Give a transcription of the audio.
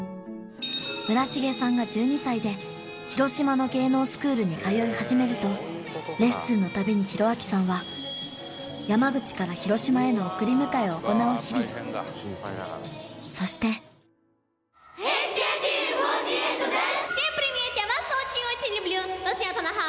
村重さんが１２歳で広島の芸能スクールに通い始めるとレッスンの度に公亮さんはを行う日々そしてＨＫＴ４８です！